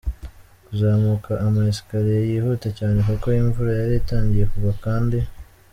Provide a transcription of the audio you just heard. kuzamuka ama escariers yihuta cyane kuko imvura yari itangiye kugwa kandi.